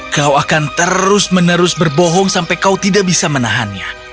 kau akan terus menerus berbohong sampai kau tidak bisa menahannya